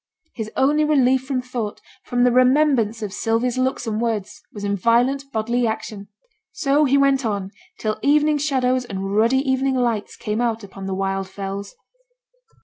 His only relief from thought, from the remembrance of Sylvia's looks and words, was in violent bodily action. So he went on till evening shadows and ruddy evening lights came out upon the wild fells.